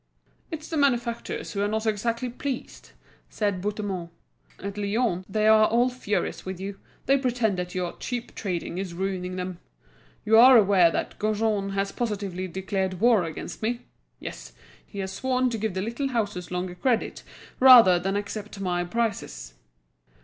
"It's the manufacturers who are not exactly pleased," said Bouthemont. "At Lyons they are all furious with you, they pretend that your cheap trading is ruining them. You are aware that Gaujean has positively declared war against me. Yes, he has sworn to give the little houses longer credit, rather than accept my prices."